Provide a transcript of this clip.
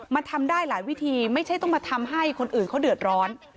มันทำได้หลายวิธีไม่ใช่ต้องมาทำให้คนอื่นเขาเดือดร้อน